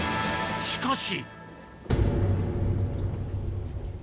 しかし。